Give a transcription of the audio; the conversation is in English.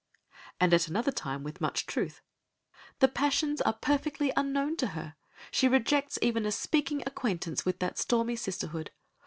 And at another time, with much truth: "The passions are perfectly unknown to her; she rejects even a speaking acquaintance with that stormy sisterhood.